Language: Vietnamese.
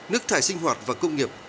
nước thải sinh hoạt và công nghiệp